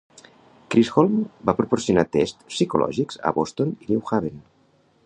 Chisholm va proporcionar tests psicològics a Boston i New Haven.